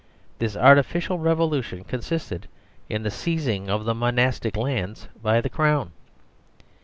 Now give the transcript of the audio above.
This artificial revolution consisted in the seizing of the monastic lands by the Crown.